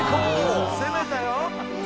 攻めたよ！